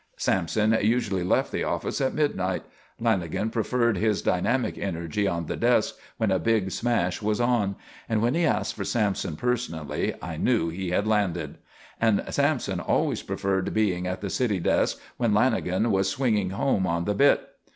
Sampson usually left the office at midnight. Lanagan preferred his dynamic energy on the desk when a big smash was on; and when he asked for Sampson personally I knew he had landed. And Sampson always preferred being at the city desk when Lanagan was swinging home on the bit.